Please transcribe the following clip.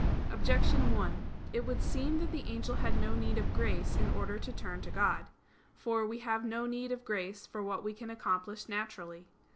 Objection 1: It would seem that the angel had no need of grace in order to turn to God. For, we have no need of grace for what we can accomplish naturally.